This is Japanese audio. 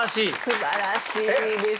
すばらしいです。